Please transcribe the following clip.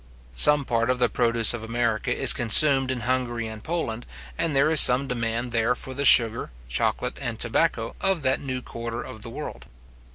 Some part of the produce of America is consumed in Hungary and Poland, and there is some demand there for the sugar, chocolate, and tobacco, of that new quarter of the world.